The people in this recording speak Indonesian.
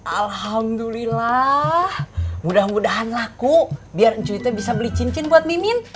alhamdulillah mudah mudahan laku biar cuitnya bisa beli cincin buat mimin